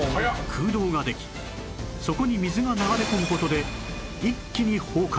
空洞ができそこに水が流れ込む事で一気に崩壊！